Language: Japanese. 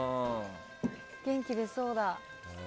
元気が出そうだ。